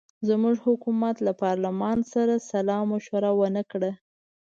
زموږ حکومت له پارلمان سره سلامشوره ونه کړه.